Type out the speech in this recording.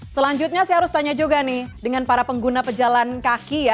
selanjutnya saya harus tanya juga nih dengan para pengguna pejalan kaki ya